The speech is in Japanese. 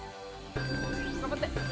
頑張って！